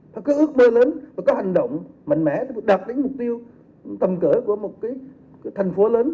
nó có ước mơ lớn và có hành động mạnh mẽ để đạt đến mục tiêu tầm cỡ của một cái thành phố lớn